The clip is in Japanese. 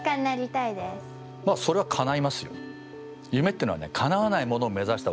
それはかないますよ。